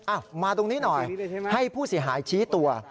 มาตรงนี้หน่อยให้ผู้เสียหายชี้ตัว